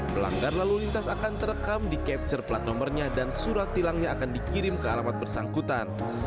pelanggar lalu lintas akan terekam di capture plat nomornya dan surat tilangnya akan dikirim ke alamat bersangkutan